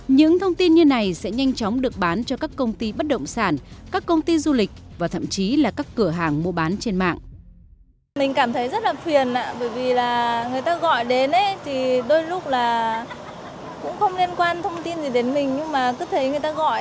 những thông tin như này sẽ nhanh chóng được bán cho các công ty bất động sản các công ty du lịch và thậm chí là các cửa hàng mua bán trên mạng